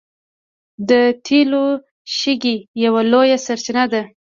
د تیلو شګې یوه لویه سرچینه ده.